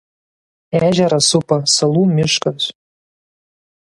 Ežerą supa salų miškas.